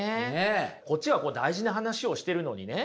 こっちは大事な話をしているのにね